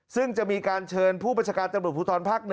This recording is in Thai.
ซึ่งจะมีการเชิญผู้บัญชาการตำรวจภูทรภาค๑